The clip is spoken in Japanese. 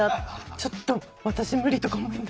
ちょっと私無理とか思った。